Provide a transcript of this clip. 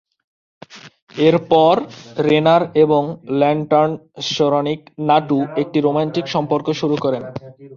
এর পর, রেনার এবং ল্যান্টার্ন সোরনিক নাটু একটি রোমান্টিক সম্পর্ক শুরু করেন।